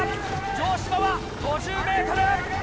城島は５０ｍ。